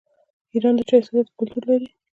ایران د چای څښلو کلتور لري.